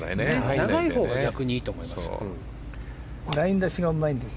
長いほうが逆にいいと思います。